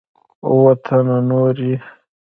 اووه تنه نور یې